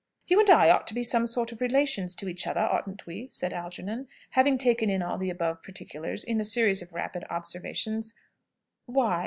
"You and I ought to be some sort of relations to each other, oughtn't we?" said Algernon, having taken in all the above particulars in a series of rapid observations. "Why?"